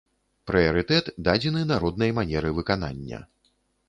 Прыярытэт дадзены народнай манеры выканання.